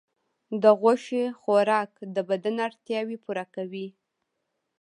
د غوښې خوراک د بدن اړتیاوې پوره کوي.